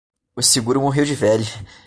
O seguro morreu de velho